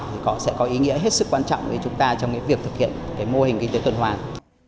thì sẽ có ý nghĩa hết sức quan trọng với chúng ta trong việc thực hiện mô hình kinh tế tuần hoàng